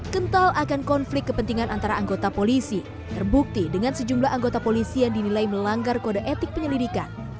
kental akan konflik kepentingan antara anggota polisi terbukti dengan sejumlah anggota polisi yang dinilai melanggar kode etik penyelidikan